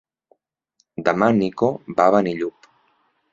Demà en Nico va a Benillup.